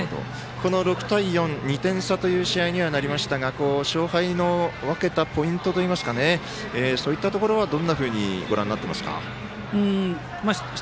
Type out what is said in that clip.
６対４、２点差という試合にはなりましたが勝敗を分けたポイントといいますかそういったところはどんなふうにご覧になっていますか。